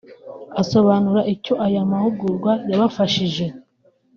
Asobanura icyo aya mahugurwa yabafashije